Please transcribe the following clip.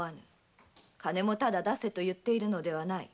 金もただ出せというのではない。